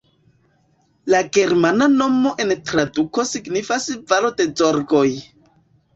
La germana nomo en traduko signifas valo de zorgoj.